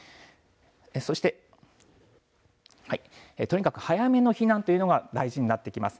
そして、とにかく早めの避難というのが大事になってきます。